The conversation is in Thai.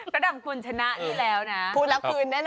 ระดับคุณชนะนี่แล้วนะพูดแล้วคืนแน่